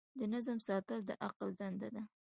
د نظم ساتل د عقل دنده ده.